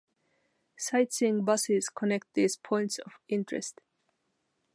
Sightseeing buses connect these points of interest.